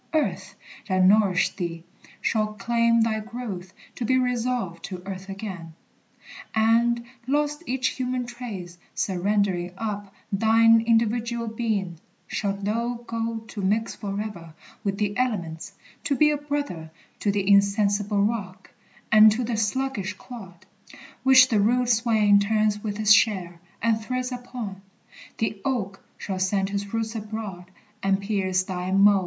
Earth, that nourished thee, shall claim Thy growth, to be resolved to earth again; And, lost each human trace, surrendering up Thine individual being, shalt thou go To mix forever with the elements; To be a brother to the insensible rock, And to the sluggish clod, which the rude swain Turns with his share, and treads upon. The oak Shall send his roots abroad, and pierce thy mold.